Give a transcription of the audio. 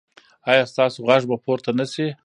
ایا ستاسو غږ به پورته نه شي؟